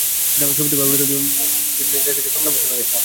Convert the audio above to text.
ছবিতে ব্যবহৃত ভিন ডিজেলের কিছু সংলাপও শোনা গেছে বর্ধিত ট্রেলার ক্লিপে।